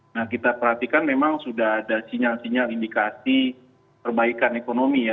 nah kita perhatikan memang sudah ada sinyal sinyal indikasi perbaikan ekonomi ya